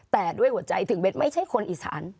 แต่ด้วยหัวใจถึงเบ็ดไม่ใช่คนอีสาน